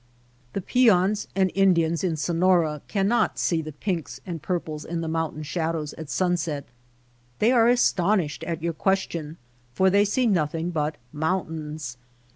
The peons and Indians in Sonora cannot see the pinks and purples in the moun THE APPROACH 13 tain shadows at sunset. They are astonished at yonr question for they see nothing but moun tains.